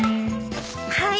はい。